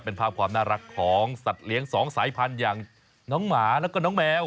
เป็นภาพความน่ารักของสัตว์เลี้ยงสองสายพันธุ์อย่างน้องหมาแล้วก็น้องแมว